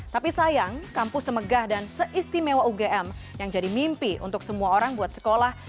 tapi sayang kampus semegah dan seistimewa ugm yang jadi mimpi untuk semua orang buat sekolah